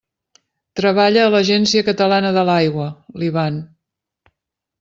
Treballa a l'Agència Catalana de l'Aigua, l'Ivan.